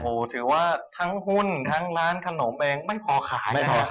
โอ้โหถือว่าทั้งหุ้นทั้งร้านขนมเองไม่พอขายนะครับ